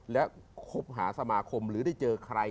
และคบหาสมาคมหรือได้เจอใคร